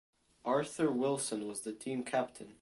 Arthur Wilson was the team captain.